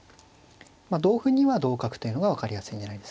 同歩には同角というのが分かりやすい狙いですね。